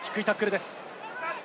低いタックルです。